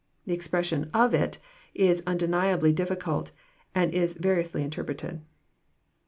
The expression " of it" is undeniably difficult, and is variously interpreted.